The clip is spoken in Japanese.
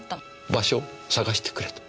場所を捜してくれと。